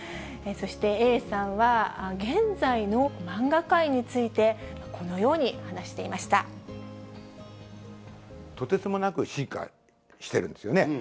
そしてＡさんは、現在の漫画界について、このように話していましとてつもなく進化してるんですよね。